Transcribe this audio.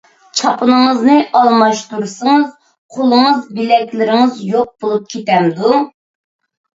چاپىنىڭىزنى ئالماشتۇرسىڭىز، قولىڭىز، بىلەكلىرىڭىز يوق بولۇپ كېتەمدۇ؟